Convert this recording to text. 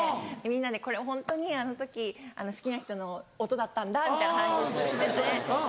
みんなでこれはホントにあの時好きな人の音だったんだみたいな話してて。